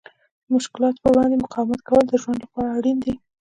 د مشکلاتو په وړاندې مقاومت کول د ژوند لپاره اړین دي.